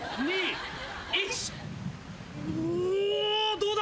どうだ？